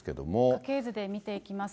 家系図で見ていきます。